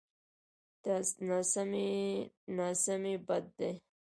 ناسمي بد دی.